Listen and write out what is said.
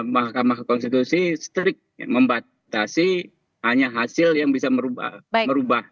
mahkamah konstitusi strict membatasi hanya hasil yang bisa merubah